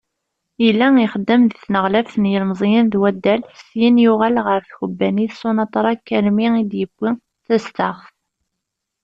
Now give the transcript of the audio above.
Yella ixeddem deg tnqlaft n yilmeẓyen d waddal, syin yuɣal ɣer tkebbanit Sonatrach armi i d-yewwi tastaɣt.